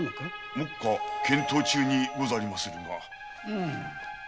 目下検討中にござりまするが。